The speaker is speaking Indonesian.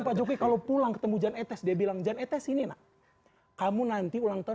pak jokowi kalau pulang ketemu jan etes dia bilang jan etes ini nak kamu nanti ulang tahun